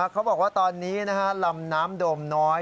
เขาบอกว่าตอนนี้ลำน้ำโดมน้อย